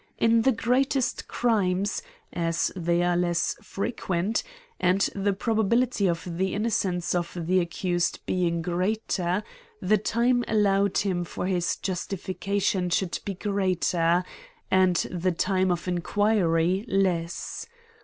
In the greatest crimes, as they are less frequent, and the proba bility of the innocence of the accused being greater, the time allowed him for his justification should be greater, and the time of inquiry less.